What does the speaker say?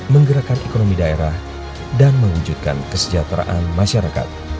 menggerakkan ekonomi daerah dan mewujudkan kesejahteraan masyarakat